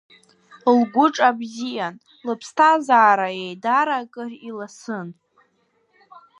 Лгәы ҿа бзиан, лыԥсҭазаара еидара акыр иласын.